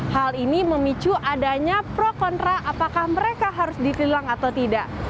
hal ini memicu adanya pro kontra apakah mereka harus ditilang atau tidak